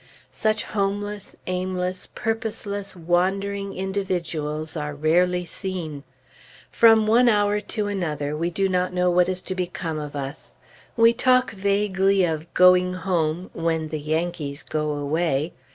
Such homeless, aimless, purposeless, wandering individuals are rarely seen. From one hour to another, we do not know what is to become of us. We talk vaguely of going home "when the Yankees go away."